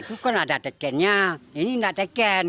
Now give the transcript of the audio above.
itu kan ada tekennya ini tidak teken